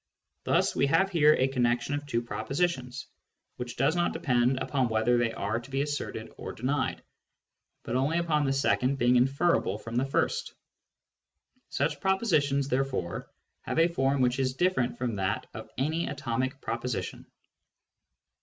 Thus we have here a connection of two propositions, which does not depend upon whether they are to be asserted or denied, but only upon the second being inferable from the first. Such propositions, there fore, have a form which is different from that of any atomic proposition.